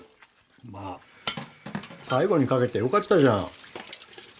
まあ最後に描けてよかったじゃん。